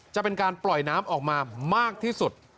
จะเป็นการปล่อยน้ำออกมามากที่สุด